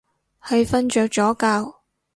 係瞓着咗覺